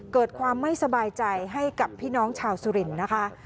เกิดความไม่สบายใจให้กับพี่น้องชาวสุรินทร์นะคะ